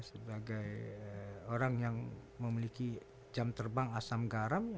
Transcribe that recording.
sebagai orang yang memiliki jam terbang asam garam